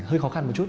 hơi khó khăn một chút